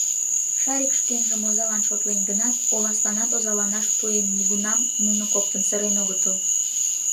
Шарик шкенжым озалан шотлен гынат, Оласланат озаланаш пуэн, нигунам нуно коктын сырен огытыл.